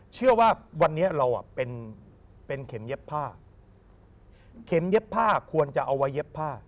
เชื่อว่าวันนี้เราเป็นเข็มเย็บผ้าเข็มเย็บผ้าควรจะเอาไว้เย็บผ้า